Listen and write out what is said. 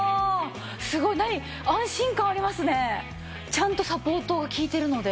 ちゃんとサポートが利いてるので。